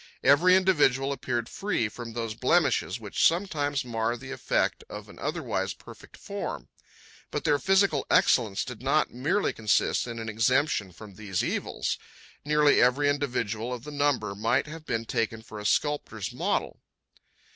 Every individual appeared free from those blemishes which sometimes mar the effect of an otherwise perfect form. But their physical excellence did not merely consist in an exemption from these evils; nearly every individual of the number might have been taken for a sculptor's model."